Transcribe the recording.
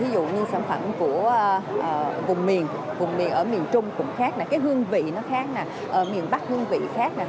đặc trưng của các hùng miền cao nguyên đá